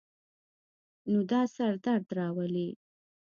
نو دا سر درد راولی